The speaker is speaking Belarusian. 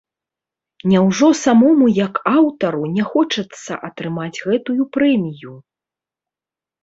Няўжо самому як аўтару не хочацца атрымаць гэтую прэмію?